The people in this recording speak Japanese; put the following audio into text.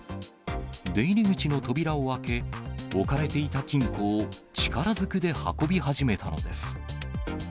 出入り口の扉を開け、置かれていた金庫を力ずくで運び始めたのです。